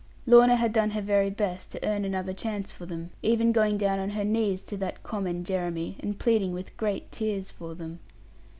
Lorna had done her very best to earn another chance for them; even going down on her knees to that common Jeremy, and pleading with great tears for them.